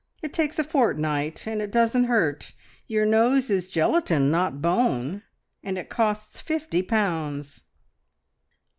It takes a fortnight, and it doesn't hurt. Your nose is gelatine, not bone; and it costs fifty pounds."